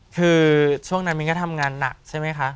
คือช่วงนั้นมิ้นก็ทำงานหนักใช่ไหมคะ